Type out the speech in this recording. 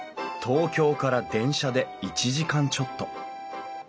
東京から電車で１時間ちょっと。